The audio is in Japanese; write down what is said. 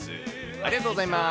ありがとうございます。